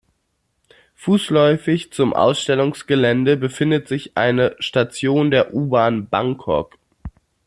Fußläufig zum Ausstellungsgelände befindet sich eine Station der U-Bahn Bangkok.